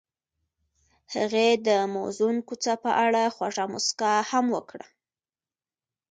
هغې د موزون کوڅه په اړه خوږه موسکا هم وکړه.